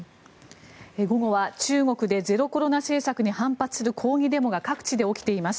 午後は中国でゼロコロナ政策に反発する抗議デモが各地で起きています。